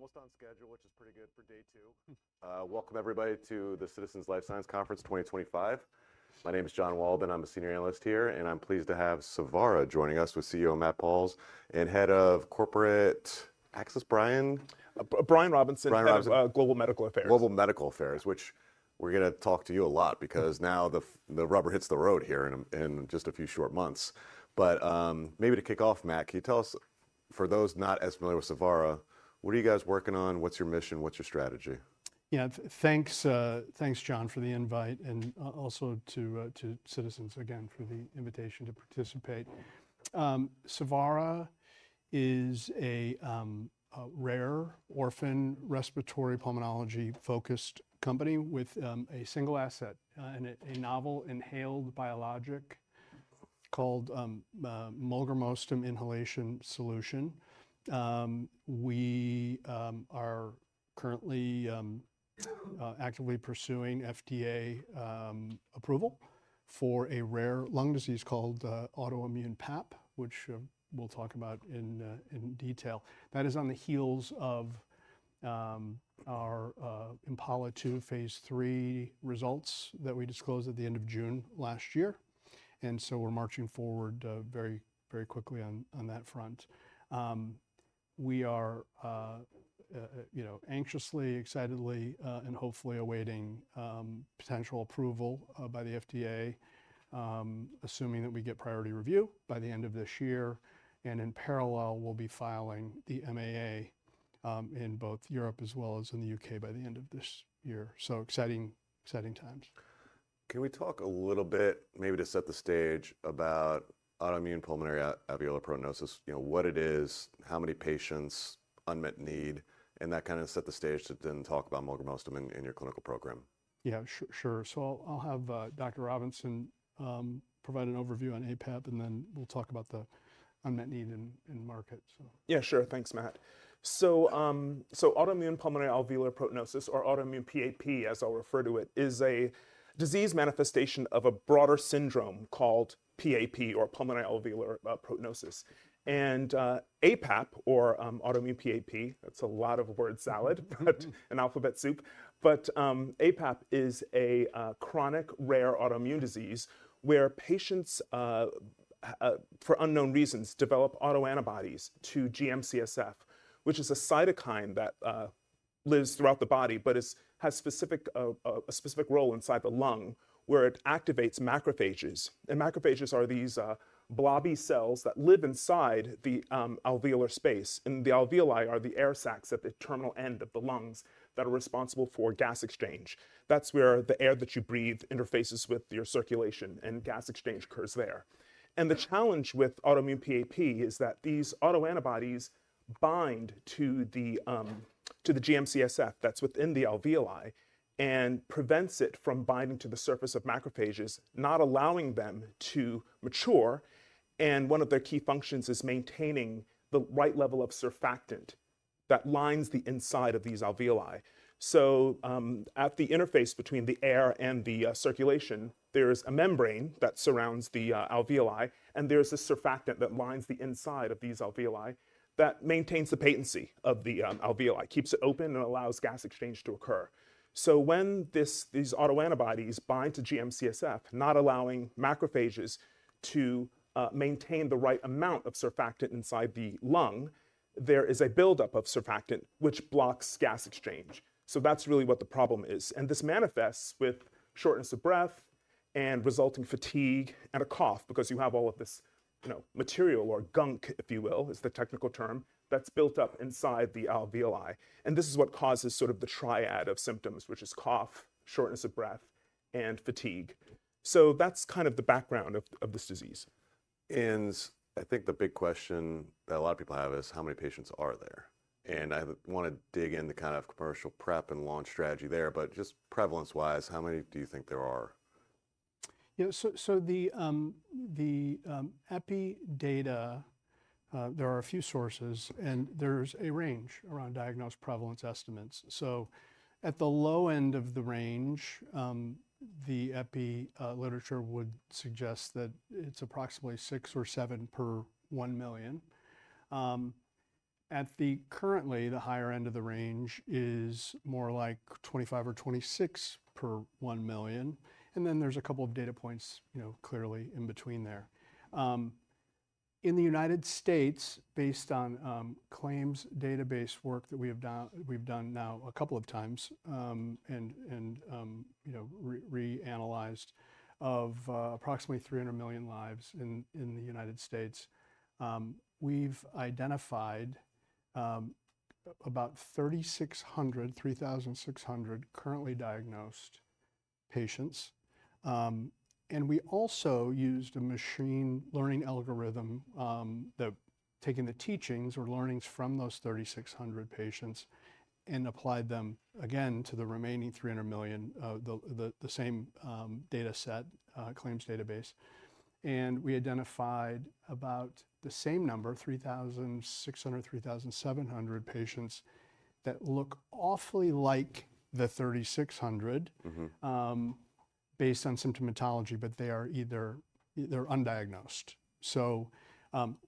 Almost on schedule, which is pretty good for day two. Welcome, everybody, to the Citizens Life Science Conference 2025. My name is John Walden. I'm a senior analyst here, and I'm pleased to have Savara joining us with CEO Matt Pauls and Head of Corporate Access, Brian. Brian Robinson. Brian Robinson. Global Medical Affairs. Global Medical Affairs, which we're going to talk to you a lot because now the rubber hits the road here in just a few short months. Maybe to kick off, Matt, can you tell us, for those not as familiar with Savara, what are you guys working on? What's your mission? What's your strategy? Yeah, thanks, John, for the invite, and also to Citizens again for the invitation to participate. Savara is a rare orphan respiratory pulmonology-focused company with a single asset and a novel inhaled biologic called molgramostim inhalation solution. We are currently actively pursuing FDA approval for a rare lung disease called autoimmune PAP, which we'll talk about in detail. That is on the heels of our IMPALA-2 phase III results that we disclosed at the end of June last year. We are marching forward very, very quickly on that front. We are anxiously, excitedly, and hopefully awaiting potential approval by the FDA, assuming that we get priority review by the end of this year. In parallel, we'll be filing the MAA in both Europe as well as in the U.K. by the end of this year. Exciting, exciting times. Can we talk a little bit, maybe to set the stage about autoimmune pulmonary alveolar proteinosis, you know, what it is, how many patients, unmet need, and that kind of set the stage to then talk about molgramostim in your clinical program? Yeah, sure. I'll have Dr. Robinson provide an overview on aPAP, and then we'll talk about the unmet need and market. Yeah, sure. Thanks, Matt. Autoimmune pulmonary alveolar proteinosis, or autoimmune PAP, as I'll refer to it, is a disease manifestation of a broader syndrome called PAP, or pulmonary alveolar proteinosis. aPAP, or autoimmune PAP, that's a lot of word salad, but an alphabet soup. aPAP is a chronic rare autoimmune disease where patients, for unknown reasons, develop autoantibodies to GM-CSF, which is a cytokine that lives throughout the body, but has a specific role inside the lung where it activates macrophages. Macrophages are these blobby cells that live inside the alveolar space. The alveoli are the air sacs at the terminal end of the lungs that are responsible for gas exchange. That's where the air that you breathe interfaces with your circulation, and gas exchange occurs there. The challenge with autoimmune PAP is that these autoantibodies bind to the GM-CSF that's within the alveoli and prevents it from binding to the surface of macrophages, not allowing them to mature. One of their key functions is maintaining the right level of surfactant that lines the inside of these alveoli. At the interface between the air and the circulation, there is a membrane that surrounds the alveoli, and there's a surfactant that lines the inside of these alveoli that maintains the patency of the alveoli, keeps it open, and allows gas exchange to occur. When these autoantibodies bind to GM-CSF, not allowing macrophages to maintain the right amount of surfactant inside the lung, there is a buildup of surfactant, which blocks gas exchange. That's really what the problem is. This manifests with shortness of breath and resulting fatigue and a cough because you have all of this material or gunk, if you will, is the technical term that's built up inside the alveoli. This is what causes sort of the triad of symptoms, which is cough, shortness of breath, and fatigue. That's kind of the background of this disease. I think the big question that a lot of people have is how many patients are there? I want to dig into kind of commercial prep and launch strategy there, but just prevalence-wise, how many do you think there are? Yeah, so the [EPI] data, there are a few sources, and there's a range around diagnosed prevalence estimates. At the low end of the range, the [EPI] literature would suggest that it's approximately six or seven per one million. Currently, the higher end of the range is more like 25 or 26 per one million. There are a couple of data points, you know, clearly in between there. In the United States, based on claims database work that we have done now a couple of times and reanalyzed of approximately 300 million lives in the United States, we've identified about 3,600, 3,600 currently diagnosed patients. We also used a machine learning algorithm that took the teachings or learnings from those 3,600 patients and applied them again to the remaining 300 million, the same data set, claims database. We identified about the same number, 3,600, 3,700 patients that look awfully like the 3,600 based on symptomatology, but they are either undiagnosed.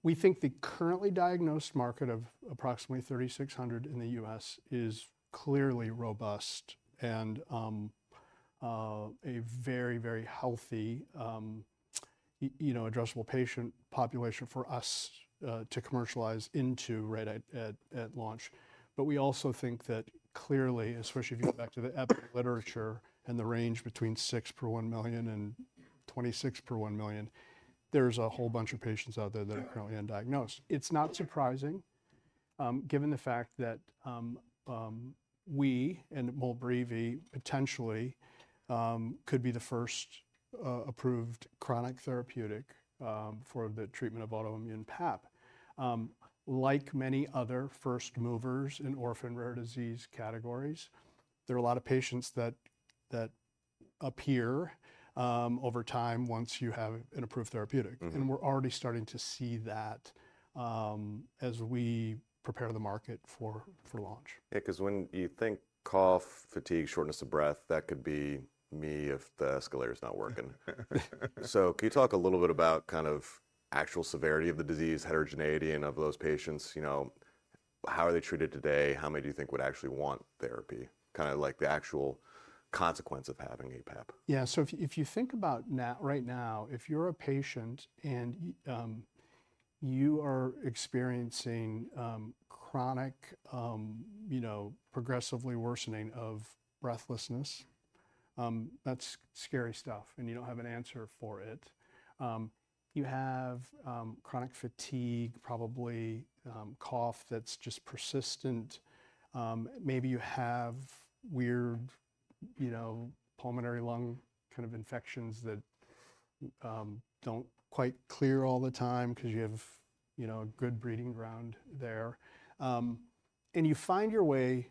We think the currently diagnosed market of approximately 3,600 in the U.S. is clearly robust and a very, very healthy, you know, addressable patient population for us to commercialize into right at launch. We also think that clearly, especially if you go back to the EPI literature and the range between 6 per 1 million and 26 per 1 million, there's a whole bunch of patients out there that are currently undiagnosed. It's not surprising, given the fact that we and MOLBREEVI potentially could be the first approved chronic therapeutic for the treatment of autoimmune PAP. Like many other first movers in orphan rare disease categories, there are a lot of patients that appear over time once you have an approved therapeutic. We're already starting to see that as we prepare the market for launch. Because when you think cough, fatigue, shortness of breath, that could be me if the escalator is not working. Can you talk a little bit about kind of actual severity of the disease, heterogeneity of those patients? You know, how are they treated today? How many do you think would actually want therapy? Kind of like the actual consequence of having aPAP. Yeah, so if you think about right now, if you're a patient and you are experiencing chronic, you know, progressively worsening of breathlessness, that's scary stuff, and you don't have an answer for it. You have chronic fatigue, probably cough that's just persistent. Maybe you have weird, you know, pulmonary lung kind of infections that don't quite clear all the time because you have, you know, a good breathing ground there. You find your way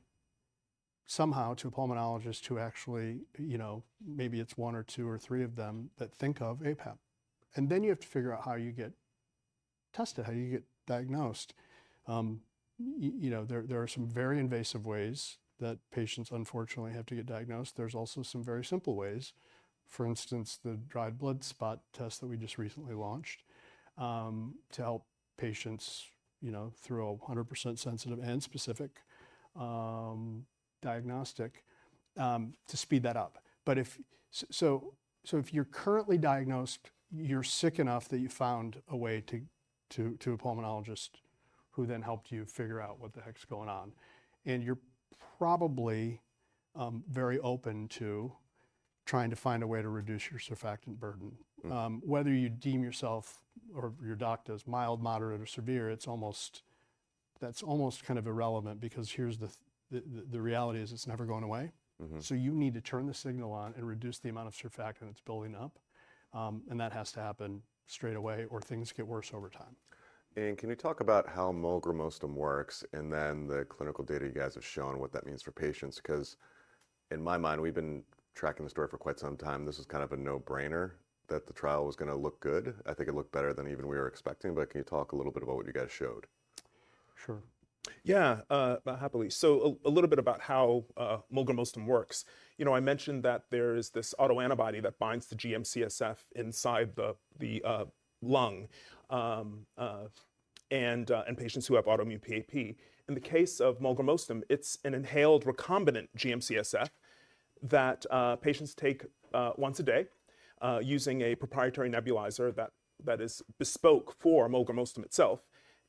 somehow to a pulmonologist who actually, you know, maybe it's one or two or three of them that think of aPAP. You have to figure out how you get tested, how you get diagnosed. You know, there are some very invasive ways that patients unfortunately have to get diagnosed. There's also some very simple ways, for instance, the dried blood spot test that we just recently launched to help patients, you know, through a 100% sensitive and specific diagnostic to speed that up. If you're currently diagnosed, you're sick enough that you found a way to a pulmonologist who then helped you figure out what the heck's going on. You're probably very open to trying to find a way to reduce your surfactant burden. Whether you deem yourself or your doctor as mild, moderate, or severe, that's almost kind of irrelevant because here's the reality is it's never going away. You need to turn the signal on and reduce the amount of surfactant that's building up. That has to happen straight away or things get worse over time. Can you talk about how molgramostim works and then the clinical data you guys have shown, what that means for patients? Because in my mind, we've been tracking the story for quite some time. This is kind of a no-brainer that the trial was going to look good. I think it looked better than even we were expecting. Can you talk a little bit about what you guys showed? Sure. Yeah, happily. A little bit about how molgramostim works. You know, I mentioned that there is this autoantibody that binds to GM-CSF inside the lung in patients who have autoimmune PAP. In the case of molgramostim, it's an inhaled recombinant GM-CSF that patients take once a day using a proprietary nebulizer that is bespoke for molgramostim itself.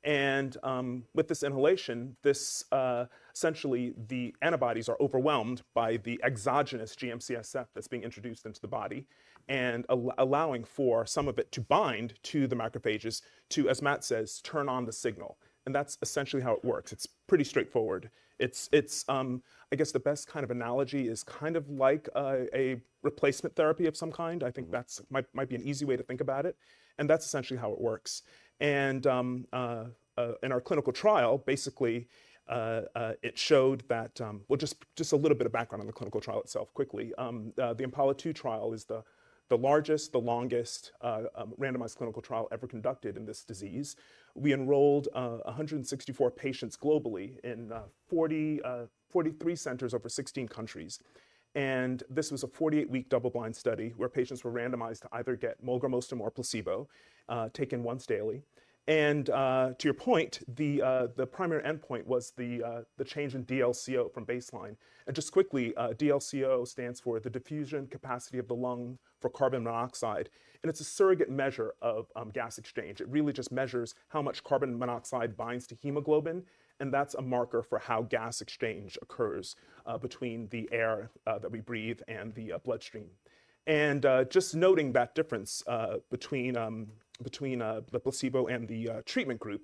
With this inhalation, essentially the antibodies are overwhelmed by the exogenous GM-CSF that's being introduced into the body and allowing for some of it to bind to the macrophages to, as Matt says, turn on the signal. That's essentially how it works. It's pretty straightforward. I guess the best kind of analogy is kind of like a replacement therapy of some kind. I think that might be an easy way to think about it. That's essentially how it works. In our clinical trial, basically, it showed that, just a little bit of background on the clinical trial itself quickly. The IMPALA-2 trial is the largest, the longest randomized clinical trial ever conducted in this disease. We enrolled 164 patients globally in 43 centers over 16 countries. This was a 48-week double-blind study where patients were randomized to either get molgramostim or placebo, taken once daily. To your point, the primary endpoint was the change in DLco from baseline. Just quickly, DLco stands for the diffusion capacity of the lung for carbon monoxide. It's a surrogate measure of gas exchange. It really just measures how much carbon monoxide binds to hemoglobin. That's a marker for how gas exchange occurs between the air that we breathe and the bloodstream. Just noting that difference between the placebo and the treatment group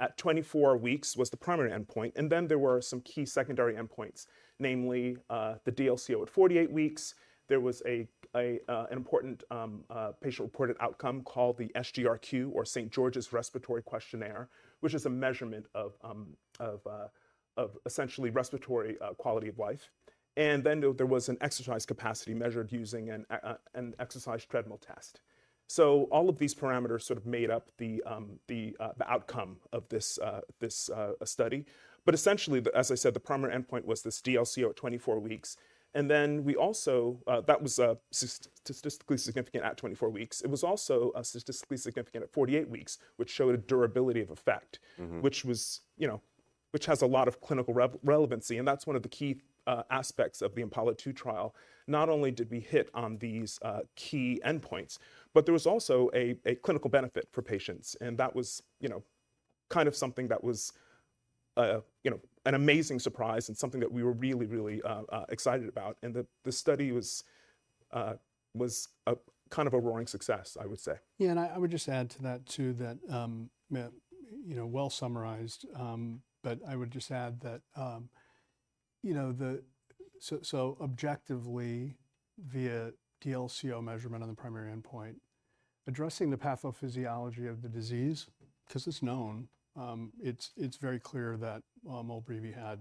at 24 weeks was the primary endpoint. There were some key secondary endpoints, namely the DLco at 48 weeks. There was an important patient-reported outcome called the SGRQ, or St. George's Respiratory Questionnaire, which is a measurement of essentially respiratory quality of life. There was an exercise capacity measured using an exercise treadmill test. All of these parameters sort of made up the outcome of this study. Essentially, as I said, the primary endpoint was this DLco at 24 weeks. That was statistically significant at 24 weeks. It was also statistically significant at 48 weeks, which showed a durability of effect, which has a lot of clinical relevancy. That is one of the key aspects of the IMPALA-2 trial. Not only did we hit on these key endpoints, but there was also a clinical benefit for patients. That was, you know, kind of something that was, you know, an amazing surprise and something that we were really, really excited about. The study was kind of a roaring success, I would say. Yeah, and I would just add to that too that, you know, well summarized, but I would just add that, you know, so objectively via DLco measurement on the primary endpoint, addressing the pathophysiology of the disease, because it's known, it's very clear that MOLBREEVI had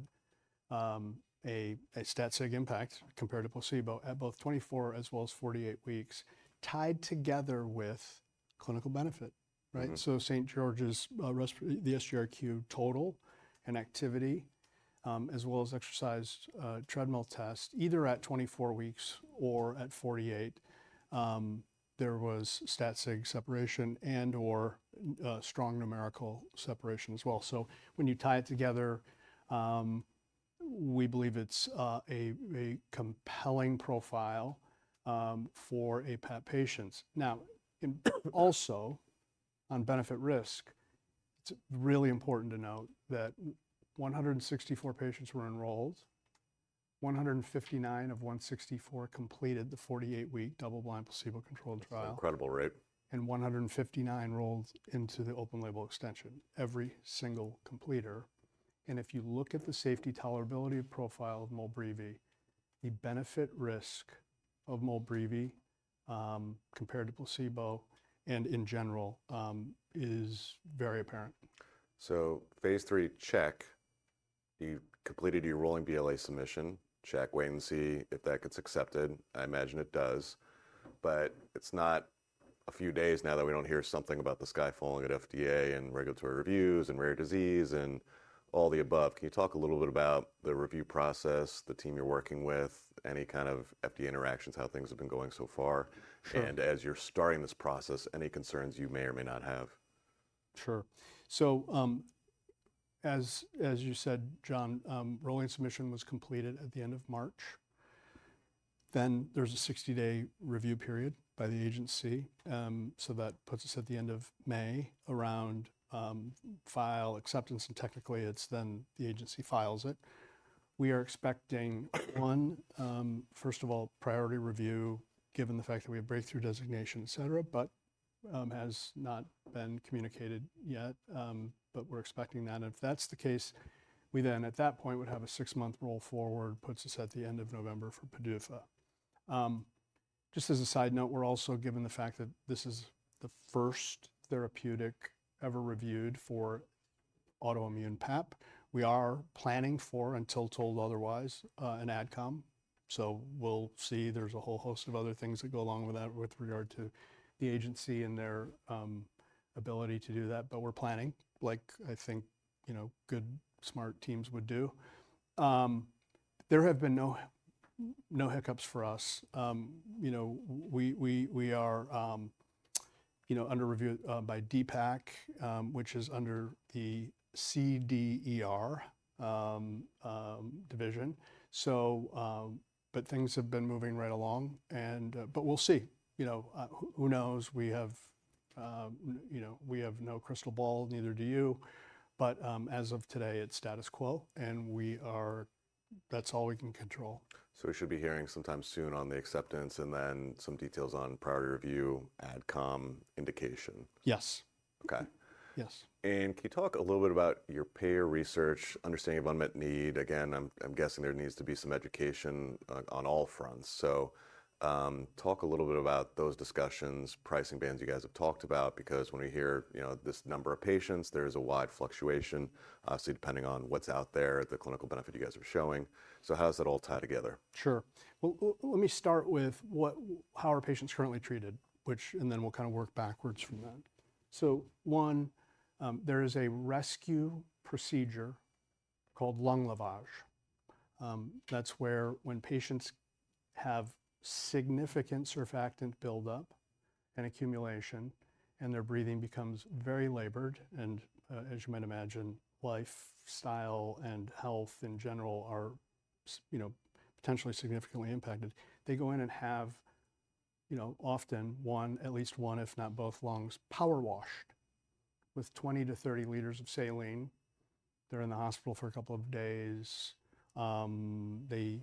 a stat-sig impact compared to placebo at both 24 as well as 48 weeks, tied together with clinical benefit, right? St. George's, the SGRQ total and activity, as well as exercise treadmill test, either at 24 weeks or at 48, there was stat-sig separation and/or strong numerical separation as well. When you tie it together, we believe it's a compelling profile for aPAP patients. Now, also on benefit risk, it's really important to note that 164 patients were enrolled. 159 of 164 completed the 48-week double-blind placebo-controlled trial. Incredible, right? One hundred fifty-nine rolled into the open label extension, every single completer. If you look at the safety tolerability profile of MOLBREEVI, the benefit risk of MOLBREEVI compared to placebo and in general is very apparent. Phase III, check. You completed your rolling BLA submission. Check, wait and see if that gets accepted. I imagine it does. It's not a few days now that we don't hear something about the sky falling at FDA and regulatory reviews and rare disease and all the above. Can you talk a little bit about the review process, the team you're working with, any kind of FDA interactions, how things have been going so far? As you're starting this process, any concerns you may or may not have? Sure. As you said, John, rolling submission was completed at the end of March. There is a 60-day review period by the agency. That puts us at the end of May around file acceptance. Technically, it is then the agency files it. We are expecting, first of all, priority review, given the fact that we have breakthrough designation, et cetera, but that has not been communicated yet. We are expecting that. If that is the case, we at that point would have a six-month roll forward, which puts us at the end of November for PDUFA. Just as a side note, given the fact that this is the first therapeutic ever reviewed for autoimmune PAP, we are planning for, until told otherwise, an adcom. We will see. There's a whole host of other things that go along with that with regard to the agency and their ability to do that. But we're planning, like I think, you know, good smart teams would do. There have been no hiccups for us. You know, we are under review by DPAC, which is under the CDER division. But things have been moving right along. But we'll see. You know, who knows? You know, we have no crystal ball, neither do you. But as of today, it's status quo. And that's all we can control. We should be hearing sometime soon on the acceptance and then some details on prior review, adcom, indication. Yes. Okay. Yes. Can you talk a little bit about your payer research, understanding of unmet need? Again, I'm guessing there needs to be some education on all fronts. Talk a little bit about those discussions, pricing bands you guys have talked about, because when we hear, you know, this number of patients, there's a wide fluctuation, obviously depending on what's out there, the clinical benefit you guys are showing. How does that all tie together? Sure. Let me start with how are patients currently treated, which, and then we'll kind of work backwards from that. One, there is a rescue procedure called lung lavage. That's where when patients have significant surfactant buildup and accumulation and their breathing becomes very labored and, as you might imagine, lifestyle and health in general are, you know, potentially significantly impacted, they go in and have, you know, often one, at least one, if not both lungs, power washed with 20-30 liters of saline. They're in the hospital for a couple of days. They,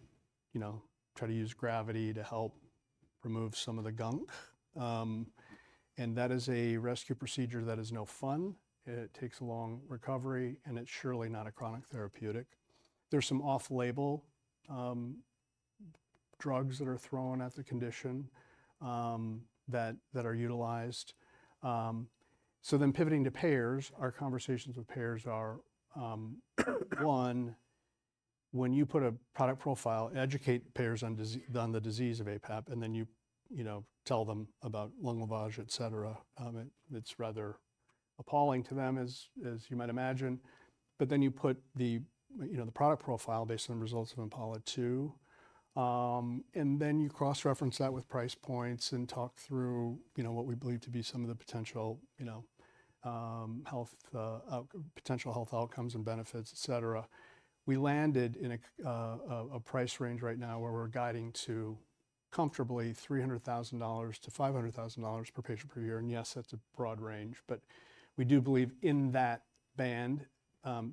you know, try to use gravity to help remove some of the gunk. That is a rescue procedure that is no fun. It takes a long recovery and it's surely not a chronic therapeutic. There's some off-label drugs that are thrown at the condition that are utilized. Pivoting to payers, our conversations with payers are, one, when you put a product profile, educate payers on the disease of aPAP, and then you, you know, tell them about lung lavage, et cetera. It's rather appalling to them, as you might imagine. Then you put the, you know, the product profile based on the results of IMPALA-2. Then you cross-reference that with price points and talk through, you know, what we believe to be some of the potential, you know, potential health outcomes and benefits, et cetera. We landed in a price range right now where we're guiding to comfortably $300,000-$500,000 per patient per year. Yes, that's a broad range. We do believe in that band,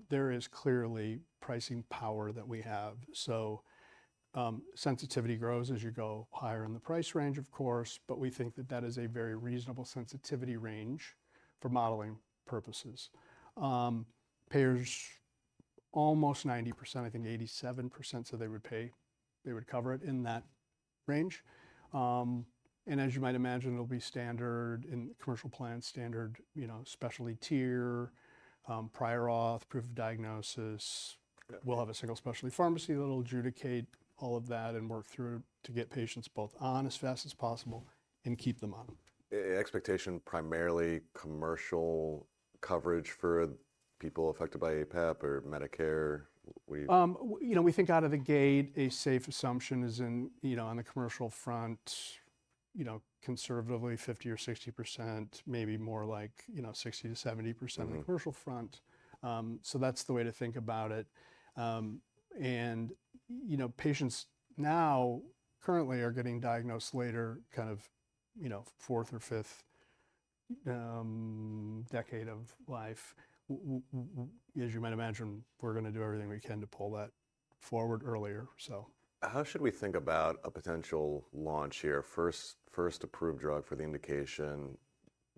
there is clearly pricing power that we have. Sensitivity grows as you go higher in the price range, of course, but we think that that is a very reasonable sensitivity range for modeling purposes. Payers, almost 90%, I think 87% said they would pay. They would cover it in that range. As you might imagine, it'll be standard in commercial plans, standard, you know, specialty tier, prior auth, proof of diagnosis. We'll have a single specialty pharmacy that'll adjudicate all of that and work through to get patients both on as fast as possible and keep them on. Expectation primarily commercial coverage for people affected by aPAP or Medicare? You know, we think out of the gate, a safe assumption is in, you know, on the commercial front, you know, conservatively 50%-60%, maybe more like, you know, 60%-70% on the commercial front. That's the way to think about it. You know, patients now currently are getting diagnosed later, kind of, you know, fourth or fifth decade of life. As you might imagine, we're going to do everything we can to pull that forward earlier, so. How should we think about a potential launch here, first approved drug for the indication,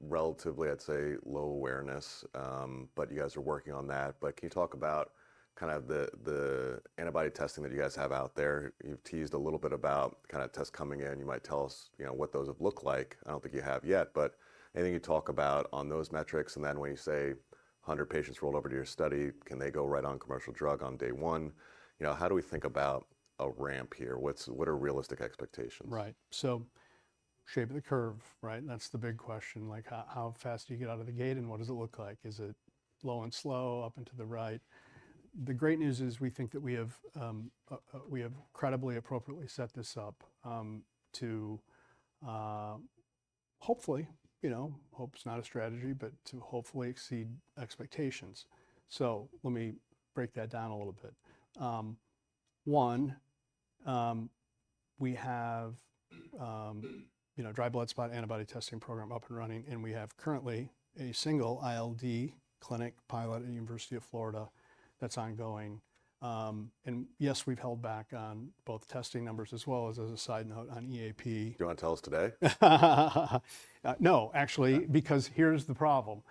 relatively, I'd say, low awareness, but you guys are working on that. Can you talk about kind of the antibody testing that you guys have out there? You've teased a little bit about kind of tests coming in. You might tell us, you know, what those have looked like. I don't think you have yet, but anything you talk about on those metrics. When you say 100 patients rolled over to your study, can they go right on commercial drug on day one? You know, how do we think about a ramp here? What are realistic expectations? Right. Shape of the curve, right? That's the big question, like how fast do you get out of the gate and what does it look like? Is it low and slow up and to the right? The great news is we think that we have credibly, appropriately set this up to hopefully, you know, hope's not a strategy, but to hopefully exceed expectations. Let me break that down a little bit. One, we have, you know, dried blood spot antibody testing program up and running. We have currently a single ILD clinic pilot at the University of Florida that's ongoing. Yes, we've held back on both testing numbers as well as as a side note on EAP. Do you want to tell us today? No, actually, because here's the problem.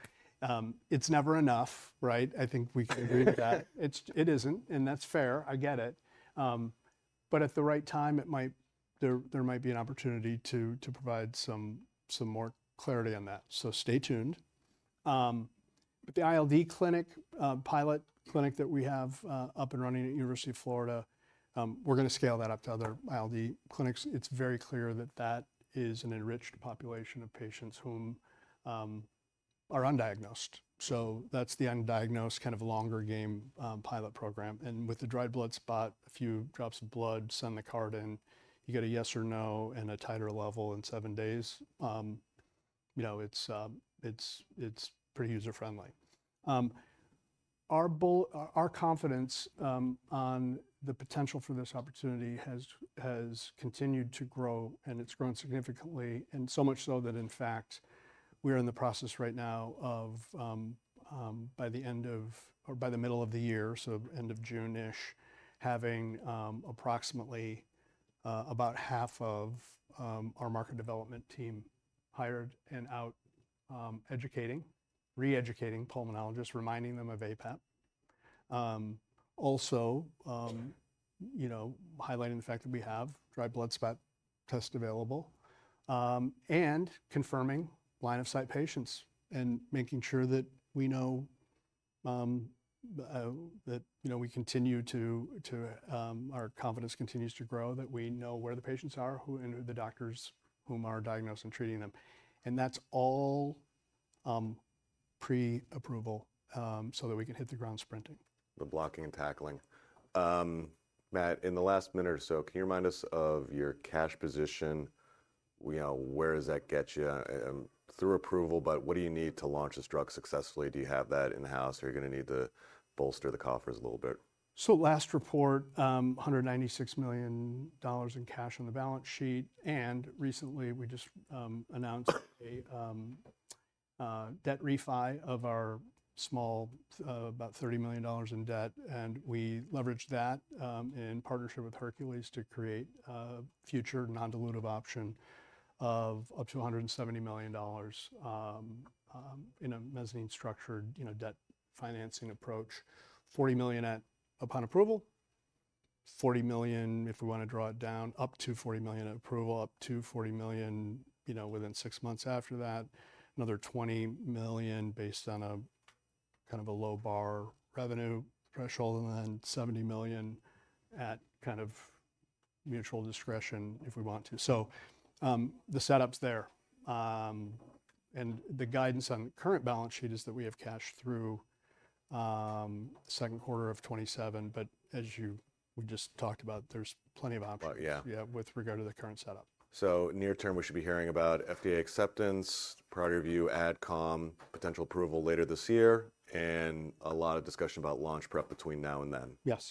It's never enough, right? I think we can agree with that. It isn't, and that's fair. I get it. At the right time, there might be an opportunity to provide some more clarity on that. Stay tuned. The ILD clinic pilot clinic that we have up and running at the University of Florida, we're going to scale that up to other ILD clinics. It's very clear that that is an enriched population of patients who are undiagnosed. That's the undiagnosed kind of longer game pilot program. With the dried blood spot, a few drops of blood, send the card in, you get a yes or no and a titer level in seven days. You know, it's pretty user-friendly. Our confidence on the potential for this opportunity has continued to grow, and it's grown significantly. In fact, we are in the process right now of, by the end of, or by the middle of the year, so end of June-ish, having approximately about half of our market development team hired and out educating, re-educating pulmonologists, reminding them of aPAP. Also, you know, highlighting the fact that we have dried blood spot tests available and confirming line-of-sight patients and making sure that we know that, you know, we continue to, our confidence continues to grow, that we know where the patients are, who the doctors who are diagnosing and treating them. That is all pre-approval so that we can hit the ground sprinting. The blocking and tackling. Matt, in the last minute or so, can you remind us of your cash position? You know, where does that get you? Through approval, but what do you need to launch this drug successfully? Do you have that in-house or are you going to need to bolster the coffers a little bit? Last report, $196 million in cash on the balance sheet. Recently, we just announced a debt refi of our small, about $30 million in debt. We leveraged that in partnership with Hercules to create a future non-dilutive option of up to $170 million in a mezzanine structured, you know, debt financing approach. $40 million upon approval, $40 million, if we want to draw it down, up to $40 million at approval, up to $40 million, you know, within six months after that, another $20 million based on a kind of a low bar revenue threshold, and then $70 million at kind of mutual discretion if we want to. The setup's there. The guidance on current balance sheet is that we have cash through second quarter of 2027. As you just talked about, there's plenty of. Yeah. Yeah, with regard to the current setup. Near term, we should be hearing about FDA acceptance, prior review, adcom, potential approval later this year, and a lot of discussion about launch prep between now and then. Yes.